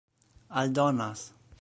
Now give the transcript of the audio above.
aldonas